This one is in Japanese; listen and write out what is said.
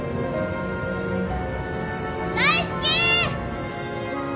大好き！